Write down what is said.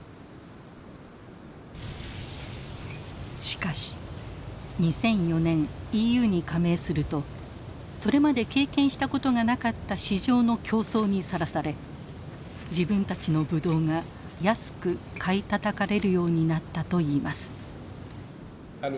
しかし２００４年ＥＵに加盟するとそれまで経験したことがなかった市場の競争にさらされ自分たちのブドウが安く買いたたかれるようになったといいます。